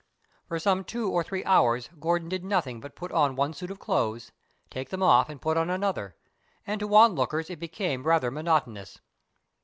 For some two or three hours Gordon did nothing but put on one suit of clothes, take them off and put on another, and to onlookers it became rather monotonous.